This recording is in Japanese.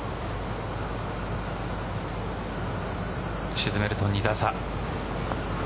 沈めると２打差。